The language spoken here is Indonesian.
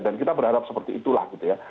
dan kita berharap seperti itulah gitu ya